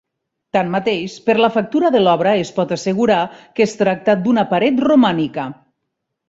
Tanmateix, per la factura de l'obra es pot assegurar que es tracta d'una paret romànica.